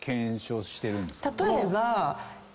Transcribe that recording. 例えば。